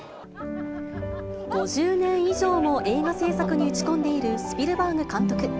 ５０年以上も映画製作に打ち込んでいるスピルバーグ監督。